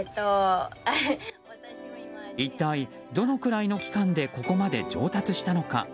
一体どのくらいの期間でここまで上達したのか。